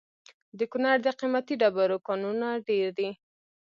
د کونړ د قیمتي ډبرو کانونه ډیر دي.